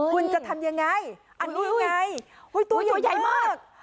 คุณจะทำยังไงอันนี้ไงตัวใหญ่มาก